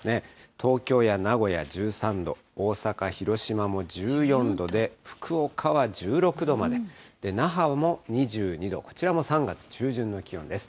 東京や名古屋１３度、大阪、広島も１４度で、福岡は１６度まで、那覇も２２度、こちらも３月中旬の気温です。